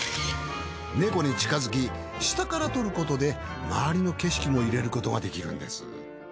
ネコに近づき下から撮ることで周りの景色も入れることができるんです。